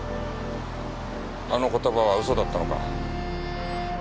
あの言葉は嘘だったのか？